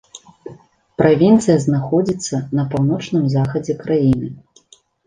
Правінцыя знаходзіцца на паўночным захадзе краіны.